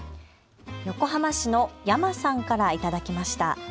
横浜市のやまさんから頂きました。